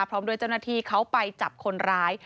พร้อมด้วยเจ้าหน้าที่เขาไปจับคนร้าย